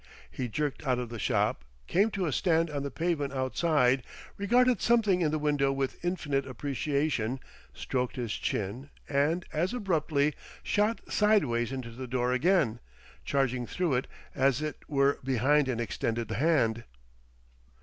He jerked out of the shop, came to a stand on the pavement outside, regarded something in the window with infinite appreciation, stroked his chin, and, as abruptly, shot sideways into the door again, charging through it as it were behind an extended hand.